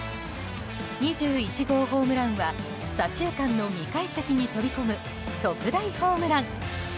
２１号ホームランは左中間の２階席に飛び込む特大ホームラン。